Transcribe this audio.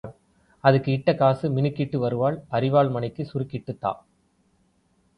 அதுக்கு இட்ட காசு மினுக்கிட்டு வருவாள், அரிவாள் மணைக்குச் சுருக்கிட்டுத் தா.